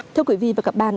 thưa quý vị và các bạn